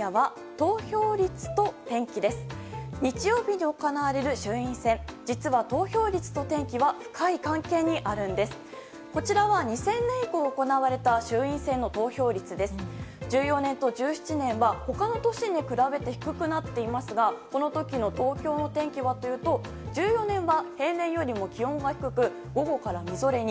１４年と１７年は他の年に比べて低くなっていますがこの時の東京の天気はというと１４年は平年よりも気温が低く午後からみぞれに。